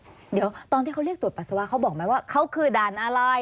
เดี๋ยวตอนที่เขาเรียกตรวจปัสสาวะเขาบอกไหมว่าเขาคือด่านอะไร